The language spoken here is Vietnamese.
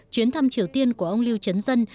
chuyến thăm triều tiên của ông lưu trấn dân